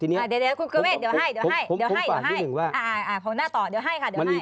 เดี๋ยวให้